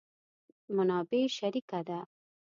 منابع شریکه ده.